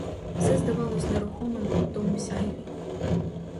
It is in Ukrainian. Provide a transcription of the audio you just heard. Все здавалось нерухомим у тому сяйві.